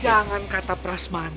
jangan kata prasmanan ya